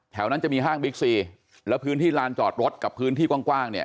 แถวนั้นจะมีห้างบิ๊กซีแล้วพื้นที่ลานจอดรถกับพื้นที่กว้างเนี่ย